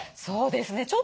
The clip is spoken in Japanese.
そうですね。